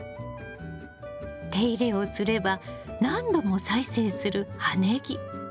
手入れをすれば何度も再生する葉ネギ。